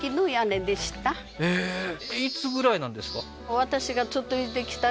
いつぐらいなんですか？